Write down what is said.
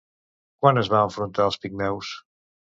Quan es va enfrontar als pigmeus?